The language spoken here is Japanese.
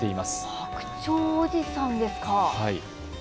白鳥おじさんですか。